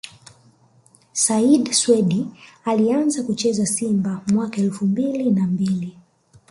Said Swedi Alianza kucheza Simba mwaka elfu mbili na mbili